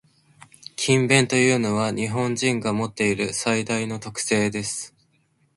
「勤勉」というのは、日本人が持っている最大の特性です。